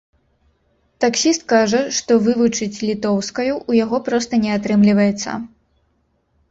Таксіст кажа, што вывучыць літоўскаю ў яго проста не атрымліваецца.